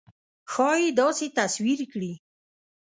ښایي داسې تصویر کړي.